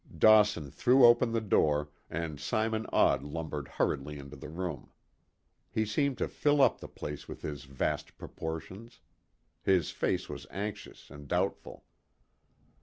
Dawson threw open the door, and Simon Odd lumbered hurriedly into the room. He seemed to fill up the place with his vast proportions. His face was anxious and doubtful.